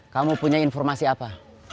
kamu punya informasi apa